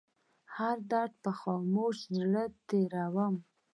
هر درد په خاموشه زړه تيروم